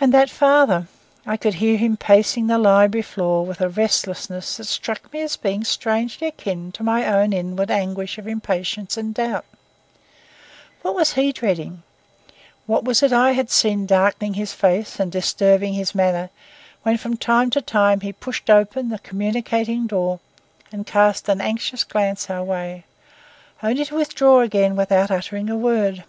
And that father! I could hear him pacing the library floor with a restlessness that struck me as being strangely akin to my own inward anguish of impatience and doubt. What was he dreading? What was it I had seen darkening his face and disturbing his manner, when from time to time he pushed open the communicating door and cast an anxious glance our way, only to withdraw again without uttering a word.